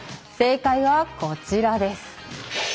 正解は、こちらです。